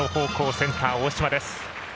センター大島です。